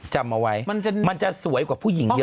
จำเอาไว้มันจะสวยกว่าผู้หญิงเยอะ